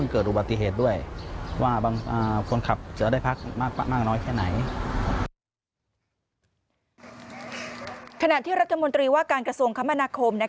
ขณะที่รัฐมนตรีว่าการกระทรวงคมนาคม